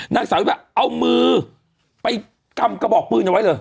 นางสาวิวะเอามือไปกำกระบอกปืนเอาไว้เลย